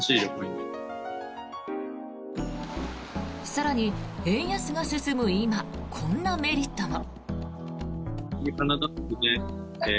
更に円安が進む今こんなメリットも。